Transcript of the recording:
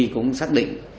cũng xác định